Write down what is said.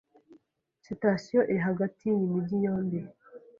Sitasiyo iri hagati yiyi mijyi yombi.